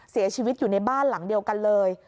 เสียชีวิตอยู่ในบ้านหลังเดียวกันเลย